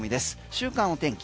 週間お天気。